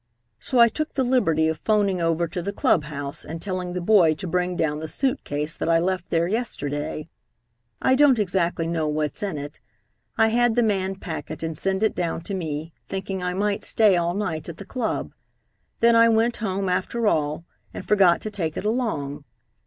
So I took the liberty of 'phoning over to the club house and telling the boy to bring down the suit case that I left there yesterday. I don't exactly know what's in it. I had the man pack it and send it down to me, thinking I might stay all night at the club. Then I went home, after all, and forgot to take it along.